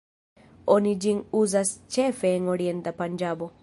Oni ĝin uzas ĉefe en orienta Panĝabo.